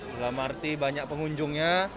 dalam arti banyak pengunjungnya